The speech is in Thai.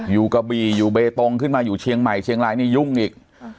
กะบี่อยู่เบตงขึ้นมาอยู่เชียงใหม่เชียงรายนี่ยุ่งอีก